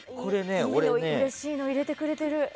嬉しいの入れてくれてる。